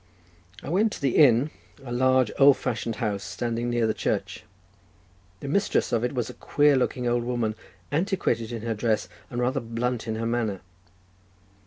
I went to the inn, a large old fashioned house, standing near the church; the mistress of it was a queer looking old woman, antiquated in her dress, and rather blunt in her manner.